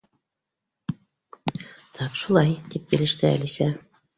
—Тап шулай, —тип килеште Әлисә.